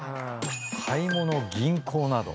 買い物銀行など。